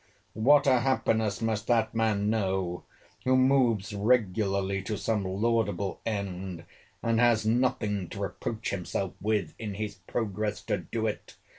"What a happiness must that man know, who moves regularly to some laudable end, and has nothing to reproach himself with in his progress to do it!